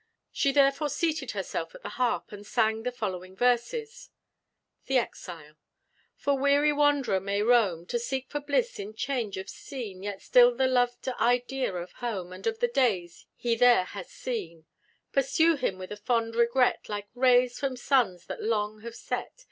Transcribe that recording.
She therefore seated herself at the harp, and sang the following verses; THE EXILE. The weary wanderer may roam To seek for bliss in change of scene; Yet still the loved idea of home, And of the days he there has seen, Pursue him with a fond regret, Like rays from suns that long have set.